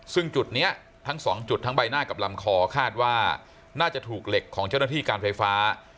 ซึ่งจุดนี้ทั้งสองจุดทั้งใบหน้ากับลำคอคาดว่าน่าจะถูกเหล็กของเจ้าหน้าที่การไฟฟ้า